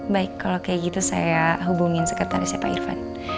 baik kalau kayak gitu saya hubungin sekretaris pak irvan